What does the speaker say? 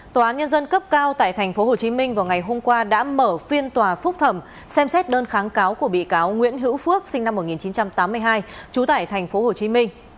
tòa án nhân dân cấp cao tại tp hcm vào ngày hôm qua đã mở phiên tòa phúc thẩm xem xét đơn kháng cáo của bị cáo nguyễn hữu phước sinh năm một nghìn chín trăm tám mươi hai trú tại tp hcm